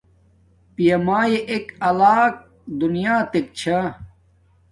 پیا مایے ایک الاگ دونیاتک چھا